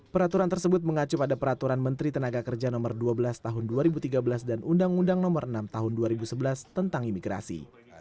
peraturan tersebut mengacu pada peraturan menteri tenaga kerja no dua belas tahun dua ribu tiga belas dan undang undang nomor enam tahun dua ribu sebelas tentang imigrasi